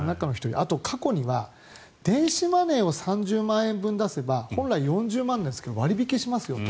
あと、過去には電子マネーを３０万円分出せば本来、４０万ですが割引しますよと。